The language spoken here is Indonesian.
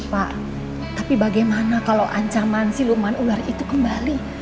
pak tapi bagaimana kalau ancaman siluman ular itu kembali